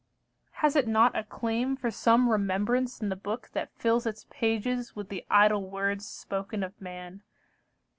Has it not A claim for some remembrance in the book That fills its pages with the idle words Spoken of man?